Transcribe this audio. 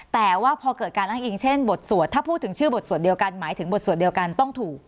แต่ว่าพอเกิดการอ้างอิงเช่นบทสวดถ้าพูดถึงชื่อบทสวดเดียวกันหมายถึงบทสวดเดียวกันต้องถูก